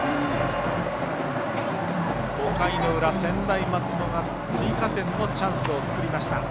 ５回の裏、専大松戸が追加点のチャンスを作りました。